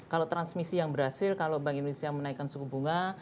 kalau transmisi yang berhasil kalau bank indonesia menaikkan suku bunga